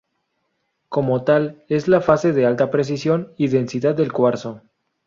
Como tal, es la fase de alta presión y densidad del cuarzo.